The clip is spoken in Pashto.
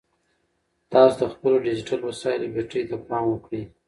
تاسو د خپلو ډیجیټل وسایلو بیټرۍ ته پام وکړئ.